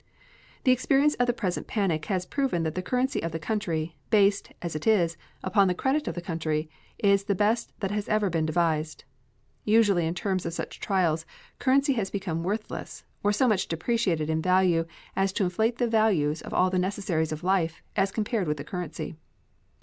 The experience of the present panic has proven that the currency of the country, based, as it is, upon the credit of the country, is the best that has ever been devised. Usually in times of such trials currency has become worthless, or so much depreciated in value as to inflate the values of all the necessaries of life as compared with the currency.